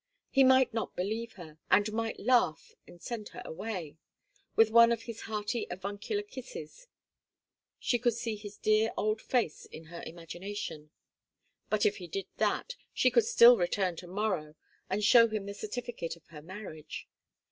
He might not believe her, and might laugh and send her away with one of his hearty avuncular kisses she could see his dear old face in her imagination. But if he did that, she could still return to morrow, and show him the certificate of her marriage.